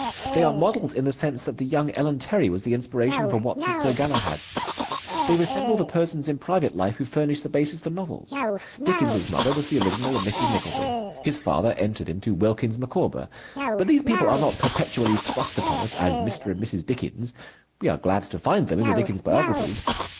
They are models in the sense that the young Ellen Terry was the inspiration for Watts' Sir Galahad. They resemble the persons in private life who furnish the basis for novels. Dickens' mother was the original of Mrs. Nickleby. His father entered into Wilkins Micawber. But these people are not perpetually thrust upon us as Mr. and Mrs. Dickens. We are glad to find them in the Dickens biographies.